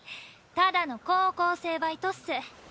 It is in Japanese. ただの高校生バイトっす。